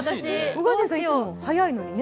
宇賀神さん、いつも早いのにね。